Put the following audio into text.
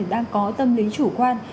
đang có tâm lý chủ quan